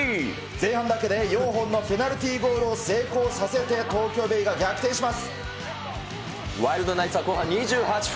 前半だけで４本のペナルティーゴールを成功させて、東京ベイが逆ワイルドナイツは後半２８分。